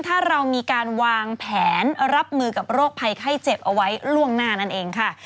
ถ้าเรามีการวางแผนรับมือกับโรคภัยไข้เจ็บเอาไว้ล่วงหน้านั่นเองค่ะ